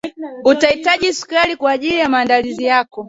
utahitaji sukari kwaajili ya maandazi yako